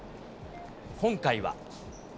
今回は。